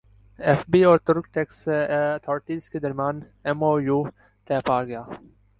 F B اور ترک tax authorities کے درمیان ایم او یو طے پاگیا